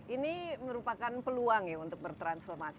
ini merupakan peluang ya untuk bertransformasi